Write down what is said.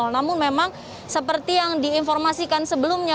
namun memang seperti yang diinformasikan sebelumnya